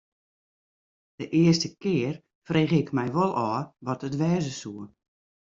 De earste kear frege ik my wol ôf wat it wêze soe.